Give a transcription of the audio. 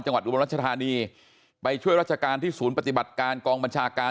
อุบลรัชธานีไปช่วยราชการที่ศูนย์ปฏิบัติการกองบัญชาการ